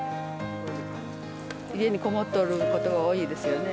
家にこもっておることが多いですよね。